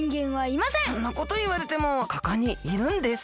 そんなこといわれてもここにいるんです。